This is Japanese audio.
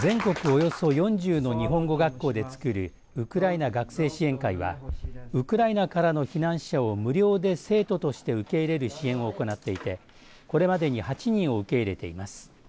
およそ４０の日本語学校で作るウクライナ学生支援会はウクライナからの避難者を無料で生徒として受け入れる支援を行っていてこれまでに８人を受け入れています。